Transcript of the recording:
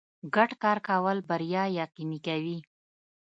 ګډ کار کول بریا یقیني کوي.